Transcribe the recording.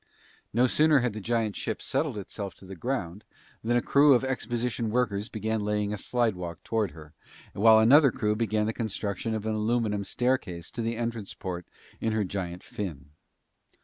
No sooner had the giant ship settled itself to the ground, than a crew of exposition workers began laying a slidewalk toward her, while another crew began the construction of an aluminum staircase to the entrance port in her giant fin.